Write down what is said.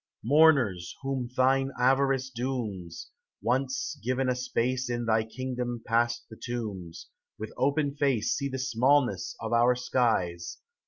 Mourners, whom thine avarice dooms. Once given a space In thy kingdom past the tombs, With open face See the smallness of our skies.